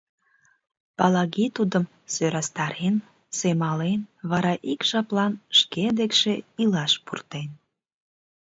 Палаги тудым сӧрастарен, семален, вара ик жаплан шке декше илаш пуртен.